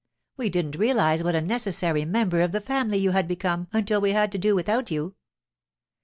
We didn't realize what a necessary member of the family you had become until we had to do without you.